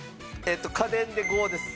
家電で５です。